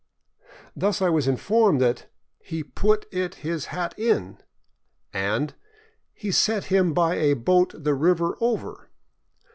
Thus I was informed that " He put it his hat in," and " He set him by a boat the river over."